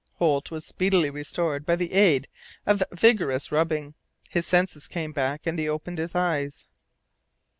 Holt was speedily restored by the aid of vigorous rubbing; his senses came back, and he opened his eyes.